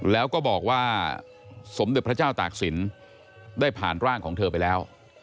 แล้วก็บอกว่าสมเด็จพระเจ้าตากศิลป์ได้ผ่านร่างของเธอไปแล้ว